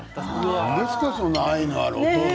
何ですか、その愛のある！